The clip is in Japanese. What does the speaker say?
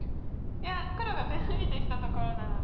いや黒が手抜いてきたところなので。